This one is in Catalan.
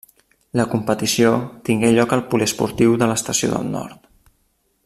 La competició tingué lloc al Poliesportiu de l'Estació del Nord.